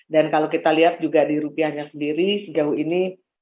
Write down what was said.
dan kalau kita lihat juga di rupiahnya sendiri sejauh ini